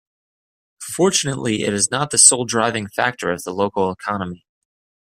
Fortunately its not the sole driving factor of the local economy.